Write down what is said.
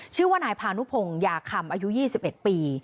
ชื่อว่านายพานุพงยาคำอายุ๒๑ปี